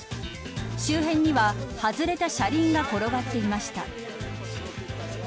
周辺には外れた車輪が転がっていました。